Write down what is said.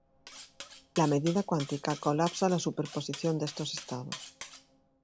La medida cuántica colapsa la superposición de estos estados.